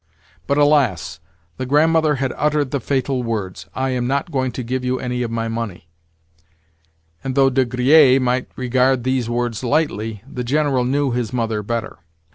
But, alas, the Grandmother had uttered the fatal words, "I am not going to give you any of my money;" and though De Griers might regard these words lightly, the General knew his mother better.